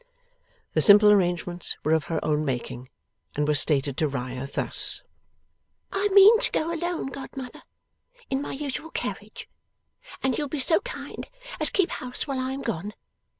The simple arrangements were of her own making, and were stated to Riah thus: 'I mean to go alone, godmother, in my usual carriage, and you'll be so kind as keep house while I am gone.